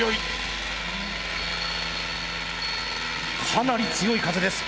かなり強い風です。